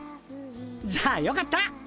じゃあよかった！